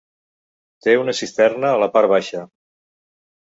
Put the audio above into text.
Té una cisterna a la part baixa.